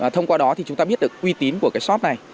thông qua đó thì chúng ta biết được uy tín của cái shop này